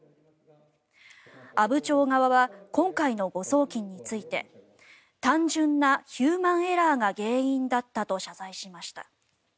阿武町側は今回の誤送金について単純なヒューマンエラーが原因だったと謝罪しました。